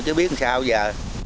chứ biết làm sao bây giờ